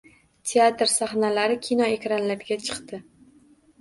Teatr sahnalari, kinoekranlarga chiqdi